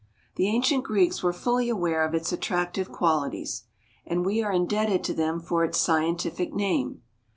The ancient Greeks were fully aware of its attractive qualities, and we are indebted to them for its scientific name.